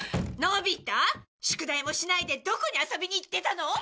のび太宿題もしないでどこに遊びにいってたの！？